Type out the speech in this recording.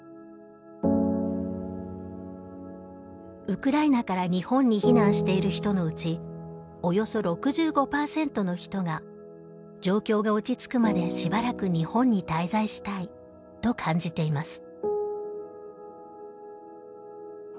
ウクライナから日本に避難している人のうちおよそ６５パーセントの人が「状況が落ち着くまでしばらく日本に滞在したい」と感じています。